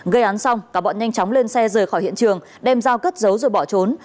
gây án xong cả bọn nhanh chóng lên xe rời khỏi hiện trường đem dao cất giấu rồi bỏ trốn